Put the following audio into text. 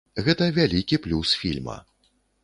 Гэта вялікі плюс фільма.